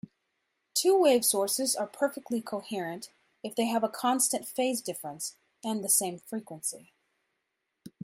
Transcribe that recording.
Two-wave sources are perfectly coherent if they have a constant phase difference and the same frequency.